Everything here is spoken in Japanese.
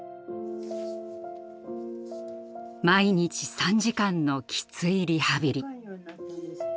毎日３時間のきついリハビリ。